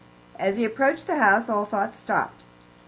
As he approached the house all thought stopped.